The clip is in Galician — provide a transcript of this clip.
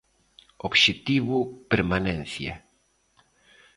Obxectivo permanencia.